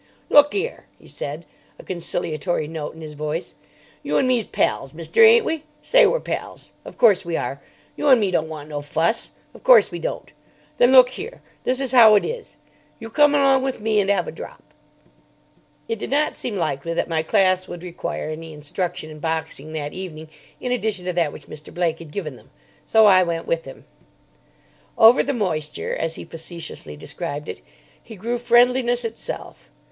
"Look 'ere!" he said, a conciliatory note in his voice, "you and me's pals, mister, ain't we? Say we're pals. Of course we are. You and me don't want no fuss. Of course we don't. Then look here: this is 'ow it is. You come along with me and 'ave a drop." It did not seem likely that my class would require any instruction in boxing that evening in addition to that which Mr. Blake had given them, so I went with him. Over the moisture, as he facetiously described it, he grew friendliness itself.